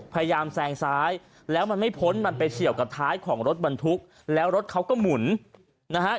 พยายามแซงซ้ายแล้วมันไม่พ้นมันไปเฉียวกับท้ายของรถบรรทุกแล้วรถเขาก็หมุนนะฮะ